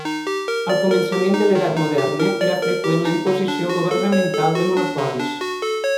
Als començaments de l'edat moderna era freqüent la imposició governamental de monopolis.